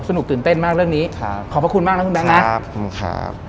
สนุกตื่นเต้นมากเรื่องนี้ขอบพระคุณมากนะคุณแบงค์นะ